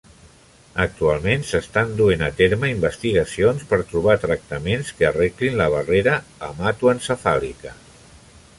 Actualment s'estan duent a terme investigacions per trobar tractaments que arreglin la barrera hematoencefàlica.